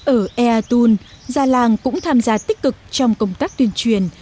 ở ea tôn gia làng cũng tham gia tích cực trong công tác tuyên truyền